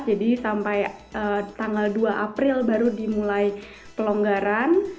jadi sampai tanggal dua april baru dimulai pelonggaran